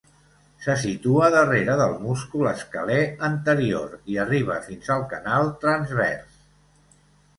Se situa darrere del múscul escalè anterior i arriba fins al canal transvers.